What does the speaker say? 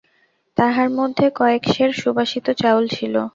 তাহার মধ্যে কয়েক সের সুবাসিত চাউল ছিল।